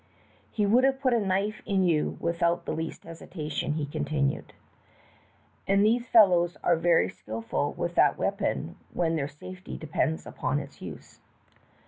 "He would have put a knife into you without the least hesita tion," he continued; "and these fellows are very skillful with that weapon when their safety depends upon its use.